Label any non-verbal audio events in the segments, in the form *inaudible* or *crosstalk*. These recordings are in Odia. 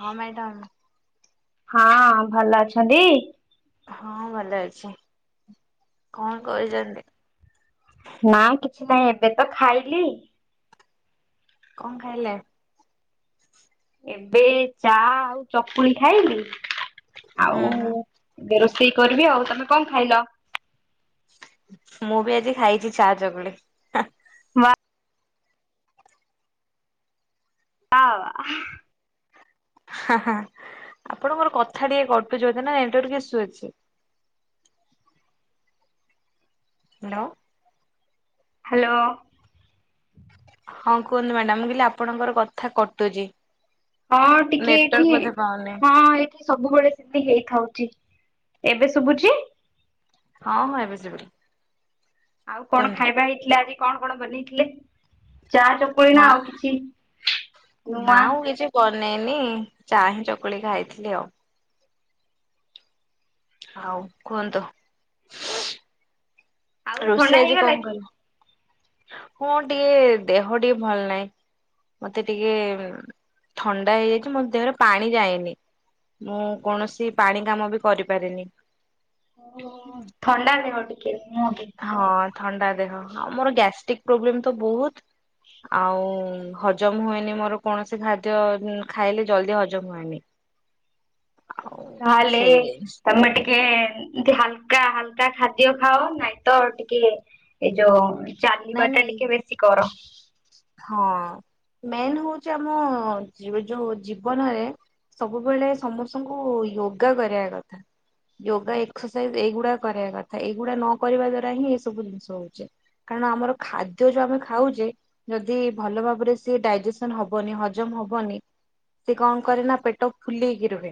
ହଁ ମ୍ୟାଡାମ। ହଁ ଭଲ ଅଛନ୍ତି। ହଁ ଭଲ ଅଛି। କଣ କରୁଛନ୍ତି? ନା କିଛି ନାଇଁ ଏବେ ତ ଖାଇଲି। କଣ ଖାଇଲେ? ଏବେ ଚା ଆଉ ଚକୁଳି ଖାଇଲି। ହୁଁ ଆଉ ହୁଁ ଏବେ ରୋଷେଇ କରିବି ଆଉ ତମେ କଣ ଖାଇଲ? ମୁଁ ବି ଆଜି ଖାଇଛି ଚା ଚକୁଳି ହାଁ। ଆଉ। ହାଁ ହାଁ। ଆପଣଙ୍କର କଥା ଟିକେ କଟୁଚି ବଧେ ନା ନେଟୱାର୍କ ଇଶୁ ଅଛି। ହାଲୋ। ହାଲୋ। ହଁ କୁହନ୍ତୁ ମ୍ୟାଡାମ ମୁଁ କହିଲି ଆପଣଙ୍କର କଥା କଟୁଚି। ହଁ ଟିକେ ଏଠି ହଁ ଏଠି। ସବୁବେଳେ ସେମିତି ହେଇଥାଉଛି ଏବେ ଶୁଭୁଛି। ହଁ ହଁ ଏବେ ଶୁଭିଲା। ଆଉ କଣ କୁହନ୍ତୁ। ଖାଇବା ହେଇଥିଲା ଆଜି କଣ କଣ ବନେଇଥିଲେ? ଚା ଚକୁଳି ନା ଆଉ କିଛି ନୂଆ। ନାଇ ନାଇ ଚା ହିଁ ଚକୁଳି ଖାଇଥିଲି ଆଉ। ଆଉ କୁହନ୍ତୁ। ଆଉ ଥଣ୍ଡା ରୋଷେଇ ଆଜି ହେଇଗଲା କଣ କି? କର ହଁ ଟିକେ ଦେହ ଟିକେ ଭଲ ନାହିଁ। ମତେ ଟିକେ ଉଁ ଥଣ୍ଡା ହେଇଯାଇଛି ମୋ ଦେହରେ ପାଣି ଯାଇନି। ମୁଁ କୌଣସି ପାଣି କାମ ବି କରିପାରେନି। ଥଣ୍ଡା ଦେହ ଟିକେ। ମୁହଁ କି ହଁ ଥଣ୍ଡା ଦେହ ମୋର ଗ୍ୟାଷ୍ଟ୍ରିକ ପ୍ରୋବ୍ଲେମ ତ ବହୁତ। ଆଉ ଉଁ ହଜମ ହୁଏନି ମୋର କୌଣସି ଖାଦ୍ୟ ଉଁ ଖାଇଲେ ଜଲଦି ହଜମ ହୁଏନି। *unintelligible* ତାହେଲେ ସେଇ ଜିନିଷ ତମେ ଟି କେ ଏମିତି ହାଲକା ହାଲକା ଖାଦ୍ୟ ଖାଅ ନାଇଁ ତ ଟିକେ ଏ ଯୋଉ। ନାଇଁ ଚାଲିବା ଟା ନାଇଁ ଟିକେ ବେଶୀ କର। ହଁ। ମେନ୍ ହଉଛି ଆମ ଯୋ-ଯୋଉ ଜୀବନରେ। ସବୁବେଳେ ସମସ୍ତଙ୍କୁ ୟୋଗା କରିବା କଥା। ଯୋଗା ଏକ୍ସରସାଇଜ ଏଇଗୁଡା କରିବା କଥା ଏଇଗୁଡା ନ କରିବା ଦ୍ଵାରା ହିଁ ଏସବୁ ଜିନିଷ ହଉଚି। କାରଣ ଆମର ଖାଦ୍ୟ ଯୋଉ ଆମେ ଖାଉଛେ। ଯଦି ଭଲ ଭାବରେ ସିଏ ଡାଇଜେସନ ହବନି ହଜମ ହବନି। ସେ କଣ କରେ ନା ପେଟ ଫୁଲେଇକି ରୁହେ।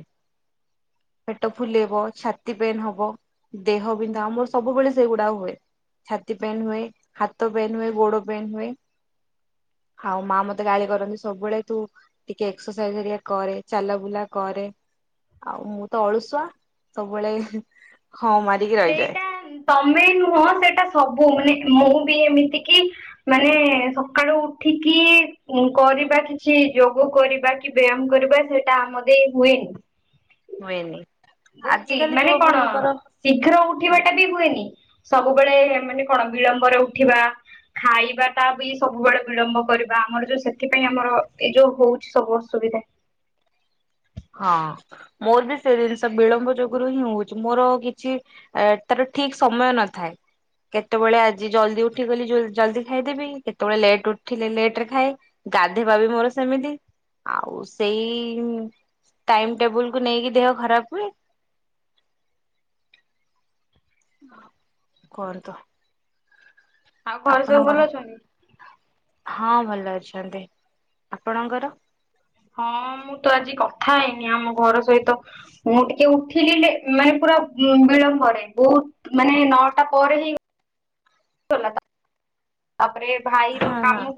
ପେଟ ଫୁଲେଇବ ଛାତି ପେନ୍ ହବ। ଦେହ ବିନ୍ଧା ଆଉ ମୋର ସବୁବେଳେ ସେଇଗୁଡା ହୁଏ। ଛାତି ପେନ୍ ହୁଏ ହାତ ପେନ ହୁଏ ଗୋଡ ପେନ୍ ହୁଏ। ଆଉ ମା ମତେ ଗାଳି କରନ୍ତି ସବୁବେଳେ ତୁ ଟିକେ ଏକ୍ସରସାଇଜ ହେଲେ କରେ ଚାଲା ବୁଲା କରେ। ଆଉ ମୁଁ ତ ଅଳୁସୁଆ ସବୁବେଳେ ହେ। ସେଇଟା ତମେ ନୁହଁ ସେଇଟା ସବୁ ମାନେ ମୁଁ ବି ଏମିତି କିି ମାନେ ସକାଳୁ ଉଠିକି ଉଁ କରିବା କିଛି। ଯୋଗ କରିବା କି ବ୍ୟାୟାମ କରିବା ସେଇଟା ଆମ ଦେଇ ହୁଏନି। ହୁଏନି। ବହୁତ ଆଜିକାଲି ହିବମାନେ କଣ ଯୁବପିଢିଙ୍କର ଶୀଘ୍ର ଉଠିବା ଟା ବି ହୁଏନି। ସବୁବେଳେ ମାନେ କଣ ବିଳମ୍ବରେ ଉଠିବା। ଖାଇବା ଟା ବି ସବୁବେଳେ ବିଳମ୍ବ କରିବା ଆମର ଯୋଉ ସେଥିପାଇଁ ଆମର ଏ ଯୋଉ ହଉଛି ସବୁଅସୁ ଏଇଟା। *inaudible* ହଁ ମୋର ବି ସେ ଜିନିଷ ବିଳମ୍ବ ଯୋଗୁରୁ ହିଁ ହଉଛି ମୋର କିଛି ଟାର ଠିକ ସମୟ ନଥାଏ। କେତେବେଳେ ଆଜି ଜଲ୍ଦି ଉଠିଗଲି ଜଲଦି ଖାଇଦେବି କେତେବେଳେ ଲେଟ ଉଠିଲେ ଲେଟ ରେ ଖାଏ। ଗାଧେଇବା ବି ମୋର ସେମିତି ଆଉ ସେଇ ଟାଇମ ଟେବୁଲ କୁ ନେଇକି ଦେହ ଖରାପ ହୁଏ। କରତ। ଆଉ ଘରେ ସବୁ ଭଲ ଅଛନ୍ତି? ହଁ ଭଲ ଅଛନ୍ତି ଆପଣଙ୍କର? ହଁ ମୁଁ ତ ଆଜି କଥା ହେଇନି ଆମ ଘର ସହିତ ମୁଁ ଟିକେ ଉଠିଲି ମାନେ ବିଳମ୍ବରେ ବହୁତ ମାନେ ନଅଟା ପରେ ହିଁ ତାପରେ ଭାଇର ହଁ ହଁ କାମ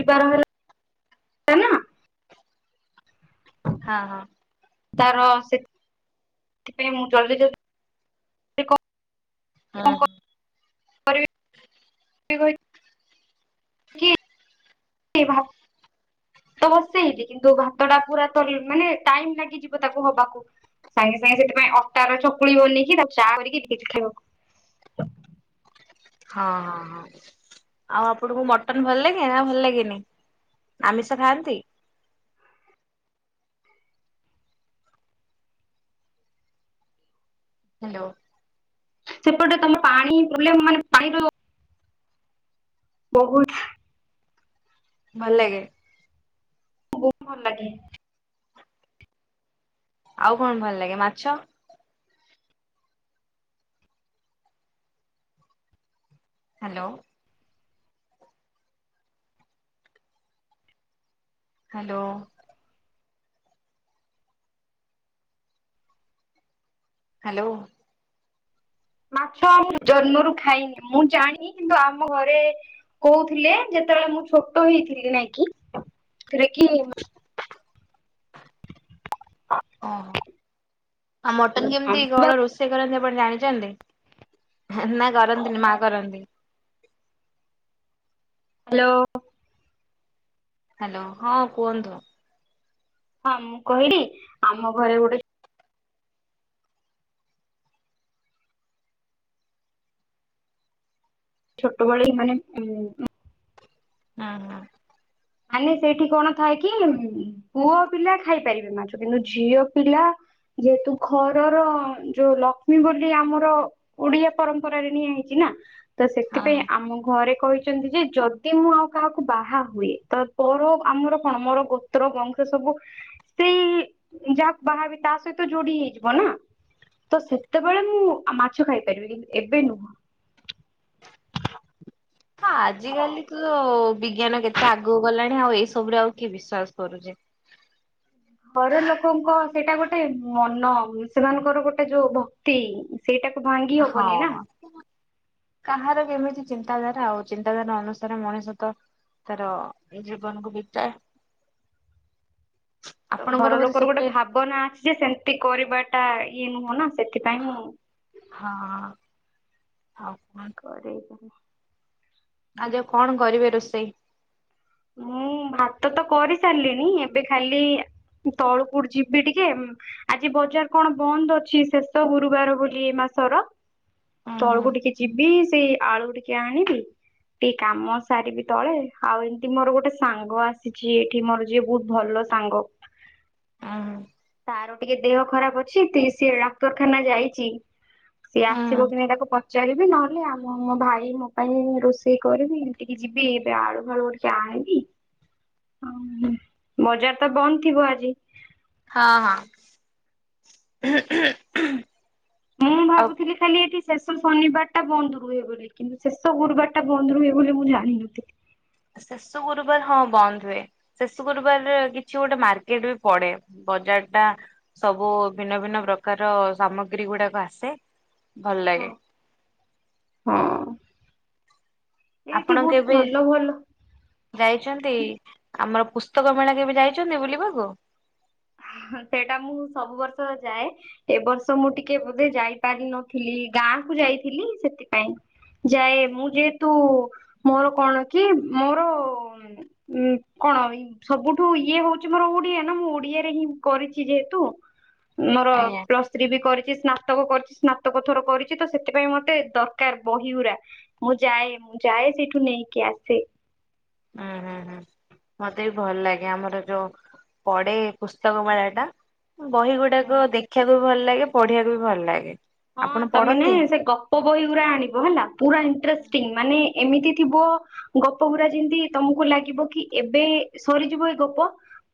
ଯିବାର ହେଲା ନା। ହଁ ହଁ। ତାର ସେ ସେଥିପାଇଁ ମୁଁ ଜଲଦି ଜ ହଁ। ଆ *inaudible* ବା *inaudible* ଭାତ ଵସେଇିବି କିନ୍ତୁ ଭାତ ଟା ପୁରା ତ ମାନେ ଟାଇମ ଲାଗିଯିବ ତାକୁ ହବାକୁ। ସାଙ୍ଗେ ସାଙ୍ଗେ ସେଥିପାଇଁ ଅଟାର ଚକୁଳି ବନେଇକି ତା ଚାହା କରିକି ଟିକେ ଚ ଖାଇବାକୁ। *inaudible* ହଁ ହଁ ହଁ ଆଉ ଆପଣଙ୍କୁ ମଟନ ଭଲ ଲାଗେ ନା ଭଲ ଲାଗେନି? ଆମିଷ ଖାଆନ୍ତି? ହ୍ୟାଲୋ। ସେପଟେ ତମେ ପାଣି ପୂଲେ ମାନେ ପାଣି ର ବହୁତ। ଭଲ ଲାଗେ। ବହୁତ ଭଲ ଲାଗେ। ଆଉ କଣ ଭଲ ଲାଗେ ମାଛ। ହ୍ୟାଲୋ। ହ୍ୟାଲୋ। ହ୍ୟାଲୋ। ମାଛ ଜନ୍ମରୁ ଖାଇନି ମୁଁ ଜାଣିନି କିନ୍ତୁ ଆମ ଘରେ କହୁଥିଲେ ଯେତେବେଳେ ମୁଁ ଛୋଟ ହେଇଥିଲି ନାଇଁ କିି ସେରେ କି? ଓହ ଆଉ ମଟନ କେମିତି ହ୍ୟାଲୋ କଣ ରୋଷେଇ କରନ୍ତି ଆପ ଆପଣ ଜାଣିଛନ୍ତି ନା କରନ୍ତିନି ମା କରନ୍ତି? ହାଲୋ। ହ୍ୟାଲୋ ହଁ କୁହନ୍ତୁ। ହଁ ମୁଁ କହିଲି ଆମ ଘରେ ଗୋଟେ ଛୋଟବେଳେ ମାନେ ଉ ହଁ ହଁ। ମାନେ ସେଇଠି କଣ ଥାଏ କି ପୁଅ ପିଲା ଖାଇପାରିବେ ମାଛ କିନ୍ତୁ ଝିଅ ପିଲା ଯେହେତୁ ଘରର ଯୋଉ ଲକ୍ଷ୍ମୀ ବୋଲି ଆମର ଓଡିଆ ପରମ୍ପରାରେ ନିଆ ହେଇଛି ନା ତ ହଁ ସେଥିପାଇଁ ହଁ। ଆମ ଘରେ କହିଛନ୍ତି ଯେ ଯଦି ମୁଁ ଆଉ କାହାକୁ ବାହା ହୁଏ, ତ ପର ଆମର କଣ ମୋର ଗୋତ୍ର ବଂଶ ସବୁ ସେଇ ଯାହା ବାହାବି ତା ତା ସହିତ ଜୋଡ଼ି ହେଇଯିବ ନା। ତ ସେତେବେଳେ ମୁଁ ମାଛ ଖାଇପାରିବି କି ଏବେ ନୁହଁ। *inaudible* ହଁ ଆଜି କାଲି ତ ବିଜ୍ଞାନ କେତେ ଆଗକୁ ଗଲାଣି ଆଉ ଏଇ ସବୁରେ ଆଉ କି ବିଶ୍ଵାସ କରୁଛି। *inaudible* ଘର ଲୋକଙ୍କ ସେଇଟା ଗୋଟେ ମନ ସେମାନଙ୍କର ଗୋଟେ ଯୋଉ ଭକ୍ତି ସେଇଟା ହଁ କାହାର କେମିତି। ଚିନ୍ତାଧାରା ଆଉ। ଚିନ୍ତାଧାରା ଅନୁସାରେ ମଣିଷ ତ ତାର ଜୀବନ କୁ ବିତାଏ । ତ ଘର ଲୋକର ଗୋଟେ ଭାବନା ଅଛି ଯେ ସେମିତି କରିବାଟା ଇଏ ନୁହଁ ନା ସେ ସେଥିପାଇଁ ମୁଁ ହଁ *unintelligible* କରେଇବି ଆଜି ଆଉ କଣ କରିବେ ରୋଷେଇ? ମୁଁ ଭାତ ତ କରିସାରିଲିିନି। ଏବେ ଖାଲି ତଳକୁ ଯିବି ଟିକେ ଆଜି ବଜାର କଣ ବନ୍ଦ ଅଛି ଶେଷ ଗୁରୁବାର ବୋଲି ଏ ମା ସ ର ହୁଁ ହୁଁ ତଳକୁ ଟିକେ ଯିବି ସେଇ ଆଳୁ ଟିକେ ଆଣିବି। ଟିକେ କାମ ସାରିବି ତଳେ। ଆଉ ଏମ ମୋର ଗୋଟେ ସାଙ୍ଗ ଆସିଛି ଏଠି ମୋର ଯିଏ ବହୁତ ଭଲ ସାଙ୍ଗ। ହୁଁ। ତାର ଟିକେ ଦେହ ଖରାପ ଅଛି। ସିଏ ଡାକ୍ତରଖାନା ଯାଇଛି। ସିଏ ଆସିବ ହୁଁ କି ନାଇ ତାକୁ ପଚାରିବି। ନହେଲେ ଆମ ମୋ ଭାଇ ମୋ ପାଇଁ ରୋଷେଇ କରିବି ଏମିତି କି ଯିବି ଏବେ ଆଳୁ ଫାଳୁ ଜଣିବି, ବଜାର ତ ବନ୍ଦ ଥିବ ଆଜି। ହଁ- ହଁ। ମୁଁ ଆଉ ଭାବୁଥିଲି ଖାଲି ଏଠି ଶେଷ ଶନିବାର ଟା ବନ୍ଦ ହୁଏ ବୋଲି, କିନ୍ତୁ ଶେଷ ଗୁରୁବାର ଟା ବନ୍ଦ ରୁହେ ବୋଲି ମୁଁ ଜାଣିନଥିଲି। ଶେଷୁ ଗୁରୁବାର ହଁ ବନ୍ଦ ହୁଏ। ଶେଷୁ ଗୁରୁବାର କିଛି ଗୋଟେ ମାର୍କେଟ ବି ପଡେ। ବଜାର ଲଟା ସବୁ ଭିନ୍ନ ଭିନ୍ନ ପ୍ରକାର ସାମଗ୍ରୀ ଗୁଡାକ ଆସେ ଭଲ ଲାଗେ। ହଁ- ହଁ। ଏଇଠି ଆପଣ ବହୁତ କେବେ ଭଲ ଭଲ ଯାଇଛନ୍ତି? ଆମର ପୁସ୍ତକ ମେଳା କେ ବି ଯାଇଛନ୍ତି ବୁଲିବାକୁ? ସେଇଟା ମୁଁ ସବୁ ବର୍ଷ ଯାଏ, ଏ ବର୍ଷ ମୁଁ ଟିକେ ବୋଧେ ଯାଇପାରିନଥିଲି। ଗାଁ କୁ ଯାଇଥିଲି ସେଥିପାଇଁ। ଯାଏ ମୁଁ ଯେହେତୁ ମୋର କଣ କି ମୋର କଣ ସବୁଠୁ ଇଏ ହଉଛି ମୋର ଓଡିଆ ନା ମୁଁ ଓଡିଆ କରିଛି ଯେହେତୁ ମୋର ଆଜ୍ଞା ପ୍ଲସଥ୍ରୀ ବି କରି ସ୍ନାତକ କରିଛି ସ୍ନାତକ ଥର କରିଛି ତ ସେଥିପାଇଁ ମତେ ଦରକାର ବହିଗୁ୍ରା ମୁଁ ଯାଏ। ମୁଁ ଯାଏ ସେଇଠୁ ନେଇକି ଆସେ। ହୁଁ ହୁଁ ହୁଁ। ମତେ ବି ଭଲ ଲାଗେ ଆମର ଯୋଉ ପଡେ ପୁସ୍ତକ ମେଳା ଟା। ବହି ଗୁଡାକ ହୁଁ। ଦେଖିବାକୁ ବି ଭଲ ଲାଗେ, ପଢିବାକୁ ବି ଭଲ ଲାଗେ। ହଁ ଆପଣ ତମେ ନା ପଢନ୍ତି? ସେ ଗପ ବହି ଗୁରା ଆଣିବ ହେଲା ପୁରା ଇନଟ୍ରେଷ୍ଟିଙ୍ଗ ମାନେ ଏମିତି ଥିବ ଗପ ଗୁଡା ଯେମିତି ତମକୁ ଲାଗିବ କି ଏବେ ସରିଯିବ ଏ ଗପ।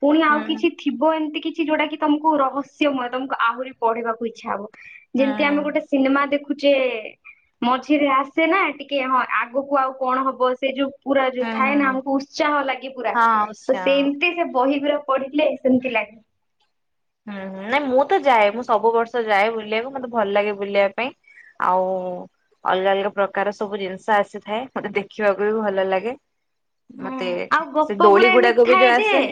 ପୁଣି ଆଉ ହୁଁ କିଛି ଥିବ ଏମିତି କିଛି ଯୋଉଟା କି ତମକୁ ରହସ୍ୟମୟ ତମକୁ ଆହୁରି ପଢିବାକୁ ଇଚ୍ଛା ହବ। ହୁଁ ଯେମିତି ଆମେ ଗୋଟେ ସିନେମା ଦେଖୁ ଖୁଚେ ମଝିରେ ଆସେ ନା ଟିକେ ହଁ ଆଗକୁ ଆଉ କଣ ହବ ସେ ଯୋଉ ପୁରା ଯୋଉ ହୁଁ ଥାଏ ହୁଁ। ନା ଆମକୁ ଉତ୍ସାହ ଲାଗେ ପୁରା। ହଁ ତ ଉଷା ସେମିତି ସେ ବହି ଗୁରା ପଢ଼ିଥିଲେ ସେମିତି ଲାଗେ। ହୁଁ ହୁଁ ନାଇଁ ମୁଁ ତ ଯାଏ ମୁଁ ସବୁ ବର୍ଷ ଯାଏ ବୁଲିବାକୁ ମତେ ଭଲ ଲାଗେ ବୁଲିବା ପାଇଁ। ଆଉ ଅଲଗା ଅଲଗା ପ୍ରକାର ସବୁ ଜିନିଷ ଆସିଥାଏ। ମତେ ଦେଖିବାକୁ ବି ଭଲ ଲାଗେ। ମତେ ହୁଁ ଆଉ ସେ ଗପ ଦୋଳି ଗୁରା ଏମିତି ଗୁଡାକ ବି ଥାଏ ଯୋଉ ଯେ ଆସେ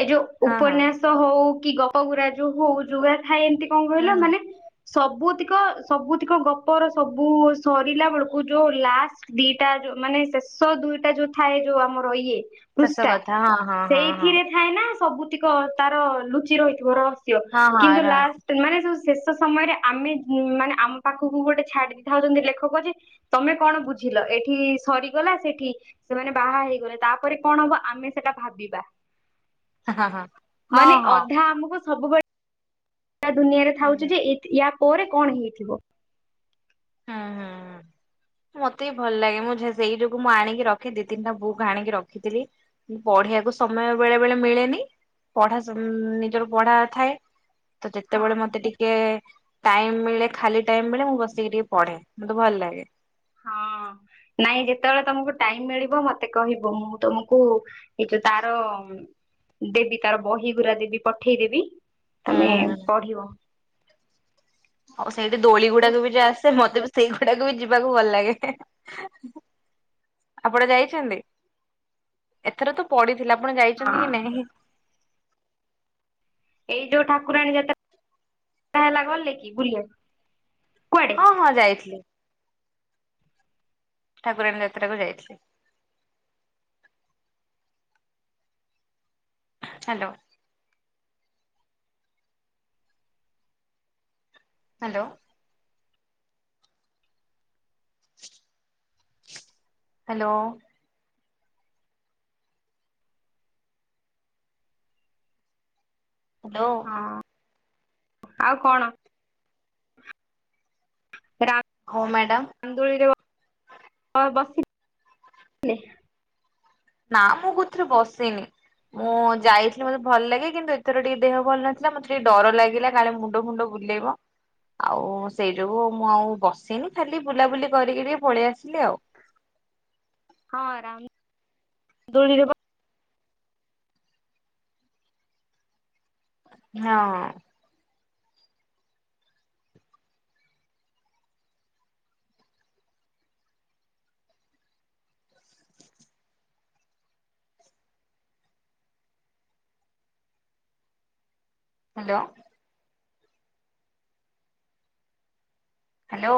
ଏ ଯୋଉ ହଁ ହଁ। ଉପନ୍ୟାସ ହଉ କି ଗପଗୁୁରା ଯୋଉ ହଉ ଯୋଉରା ଥାଏ ଏମିତି କଣ କହିଲ ହୁଁ। ମାନେ ସବୁତିକ ସବୁତିକ ଗପର ସବୁ ସରିଲା ବେଳକୁ ଯୋଉ ଲାଷ୍ଟ ଦିଟା ମାନେ ଶେଷ ଦୁଇଟା ଯୋଉ ଥାଏ ଯୋଉ ଆମର ଇଏ ଶେଷ ପୃଷ୍ଟା, କଥା ହଁ ହଁ ହଁ ହଁ ସେଇଥିରେ ଥାଏ ନା ସବୁ ତିକ ତାର ଲୁଚି ରହିଥିବ ରହସ୍ୟ। ହଁ ହଁ କିନ୍ତୁ ରହସ୍ୟ ଲାଷ୍ଟ ମାନେ ଯୋଉ ଶେଷ ସମୟରେ ଆମେ ମାନେ ଆମ ପାଖକୁ ଗୋଟେ ଛାଡି ଦେଇ ଥାଉଛନ୍ତି ଲେଖକ ଯେ ତମେ କଣ ବୁଝିଲ। ଏଠି ସରିଗଲା ସେଠି ସେମାନେ ବାହା ହେଇଗଲେ ତାପରେ କଣ ହବ ଆମେ ସେଟା ଭାବିବା। ହଁ ହଁ ହଁ ମାନେ ହଁ। ଅଧା ଆମକୁ ସବୁବେଳେ ଦୁନିଆରେ ହୁଁ ଥାଉଛି ହୁଁ। ଯେ ୟା ପରେ କଣ ହେଇଥିବ? ହୁଁ ହୁଁ ହୁଁ। ମତେ ବି ଭଲ ଲାଗେ, ମୁଁ ସେଇ ଯୋଗୁ ମୁଁ ଆଣିକି ରଖେ ଦି ତିନିଟା ବୁକ୍ ଆଣିକି ରଖିଥିଲି ମୁଁ ପ ପଢିବାକୁ ସମୟ ବେଳେ ବେଳେ ମିଳେନି ପଢା ସ ନିଜର ପଢା ଥାଏ ହଁ। ଯେତେବେଳେ ମତେ ଟିକେ ଟାଇମ ମିଳେ, ଖାଲି ଟାଇମ ମିଳେ ମୁଁ ବସିକି ଟିକେ ପଢେ ମତେ ଭଲ ଲାଗେ। ହଁ। ହଁ ନାଇଁ ଯେତେବେଳେ ତମକୁ ଟାଇମ ମିଳିବ ମତେ କହିବ, ମୁଁ ତମକୁ ଏ ଯୋଉ ତାର ଦେବି ତାର ବହି ଗୁରା ଦେବି ପଠେଇ ଦେବି ତମେ ହୁଁ। ପଢିବ। ହଉ ସେଇଠି ଦୋଳି ବହୁତ ଗୁଡାକ ବି ଯୋଉ ଆସେ, ମତେ ସେଇଗୁଡାକୁ ବି ଯିବାକୁ ଭଲ ଲାଗେ, ଆପଣ ଯାଇଛନ୍ତି? ଏଥର ତ ପଡିଥିଲା ଆପଣ ଯାଇଛନ୍ତି କି ହଁ ନାହିଁ? ଏଇ ଯୋଉ ଠାକୁରାଣୀ ଯେତେବେଳେ ହେଲା ଗଲେ କି ବୁଲିଆକୁ? ହଁ- ହଁ ଯାଇଥିଲି। ଠାକୁରାଣୀ ଯାତ୍ରାକୁ ଯାଇଥିଲି। ହାଲୋ। ହ୍ୟାଲୋ। ହ୍ୟାଲୋ। ହ୍ୟାଲୋ। ହଁ। ଆଉ କଣ? ହଉ ମ୍ୟାଡାମ ରାମଦୋଳିରେ କଣ ବସିଥିଲେ? ନା ମୁଁ କୋଉଥିରେ ବସିନି। ମୁଁ ଯାଇଥିଲି ମତେ ଭଲ ଲାଗେ, କିନ୍ତୁ ଏଥର ଟିକେ ଦେହ ଭଲ ନଥିଲା ମତେ ଟିକେ ଡର ଲାଗିଲା କାଳେ ମୁଣ୍ଡ ଫୁଣ୍ଡ ବୁ ବୁଲେଇବ। ଆଉ ସେଇ ଯୋଗୁ ମୁଁ ଆଉ ବସିନି, ଖାଲି ବୁଲାବୁଲି କରିକି ଟିକେ ପଳେଇ ଆସିଲି ଆଉ। ହଁ ରାମ ଦୋଳିରେ ବ ହଁ। ହ୍ୟାଲୋ। ହ୍ୟାଲୋ।